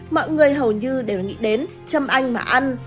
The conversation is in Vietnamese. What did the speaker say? mọi người hầu như đều nghĩ đến châm anh mà ăn